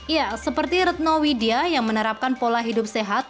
ya seperti retno widya yang menerapkan pola hidup sehat